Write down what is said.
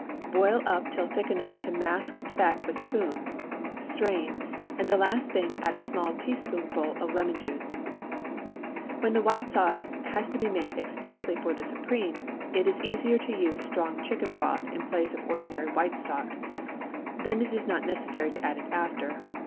Boil up till thick enough to mask the back of a spoon, strain, and the last thing add a small teaspoonful of lemon juice. When the white sauce has to be made expressly for the suprême, it is easier to use strong chicken broth in place of ordinary white stock; then it is not necessary to add it after.